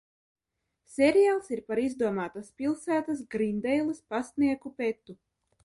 Seriāls ir par izdomātas pilsētas Grīndeilas pastnieku Petu.